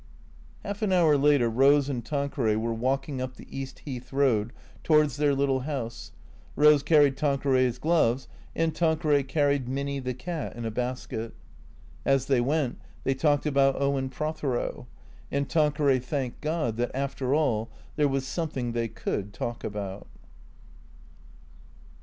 Half an hour later Eose and Tanqueray were walking up the East Heath Eoad towards their little house. Eose carried Tan queray's gloves, and Tanqueray carried Minny, the cat, in a bas ket. As they went they talked about Owen Prothero. And Tan queray thanked God that, after all, there was something they could talk about.